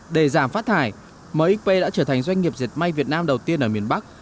để giảm phát thải mxp đã trở thành doanh nghiệp dệt may việt nam đầu tiên ở miền bắc